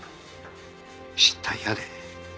失態やで。